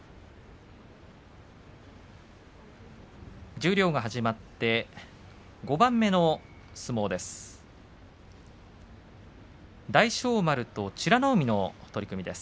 十両始まって５番目の相撲です。